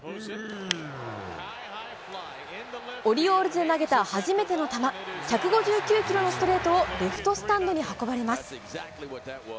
オリオールズで投げた初めての球、１５９キロのストレートをレフトスタンドへ運ばれます。